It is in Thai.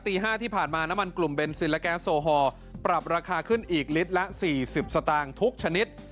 ตี๕ที่ผ่านมาน้ำมันกลุ่มเบนซินและแก๊สโซฮอลปรับราคาขึ้นอีกลิตรละ๔๐สตางค์ทุกชนิด